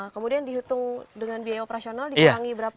kemudian dihitung dengan biaya operasional dikurangi berapa